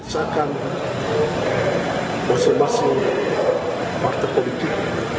saya akan bersemasa partai politik